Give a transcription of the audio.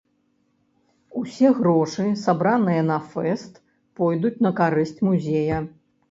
Усе грошы, сабраныя на фэст пойдуць на карысць музея.